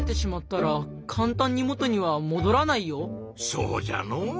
そうじゃの。